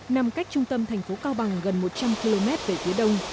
nằm cách trung tâm thành phố cao bằng gần một trăm linh km về phía đông